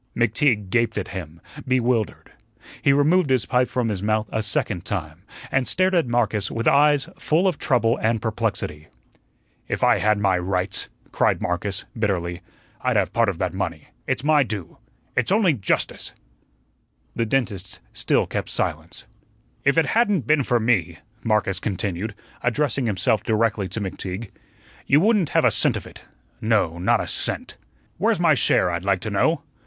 McTeague gaped at him, bewildered. He removed his pipe from his mouth a second time, and stared at Marcus with eyes full of trouble and perplexity. "If I had my rights," cried Marcus, bitterly, "I'd have part of that money. It's my due it's only justice." The dentist still kept silence. "If it hadn't been for me," Marcus continued, addressing himself directly to McTeague, "you wouldn't have had a cent of it no, not a cent. Where's my share, I'd like to know?